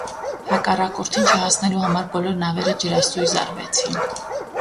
Հակառակորդին չհասնելու համար բոլոր նավերը ջրասույզ արվեցին։